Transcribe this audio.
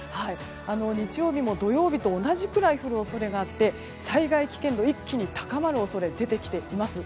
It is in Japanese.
日曜日も土曜日と同じくらい降る恐れがあって災害危険度、一気に高まる恐れが出てきています。